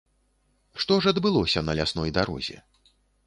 Што ж адбылося на лясной дарозе?